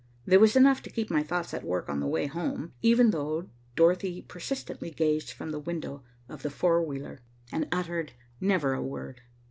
There was enough to keep my thoughts at work on the way home, even though Dorothy persistently gazed from the window of the four wheeler and uttered never a word.